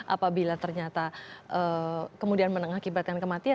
apabila ternyata kemudian mengakibatkan kematian